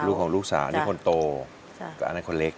ลูกของลูกสาวนี่คนโตก็อันนั้นคนเล็ก